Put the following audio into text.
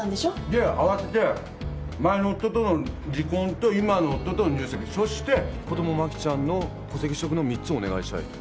で慌てて前の夫との離婚と今の夫との入籍そして子供真希ちゃんの戸籍取得の３つをお願いしたいと。